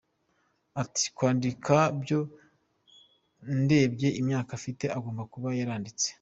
Ati “Kwandika byo ndebye imyaka afite, agomba kuba yaranditse.